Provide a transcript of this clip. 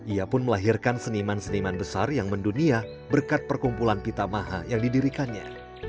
ia pun melahirkan seniman seniman besar yang mendunia berkat perkumpulan pita maha yang didirikannya